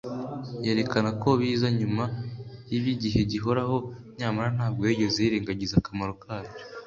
yerekana ko biza nyuma y’iby’igihe gihoraho, nyamara ntabwo yigeze yirengagiza akamaro kabyo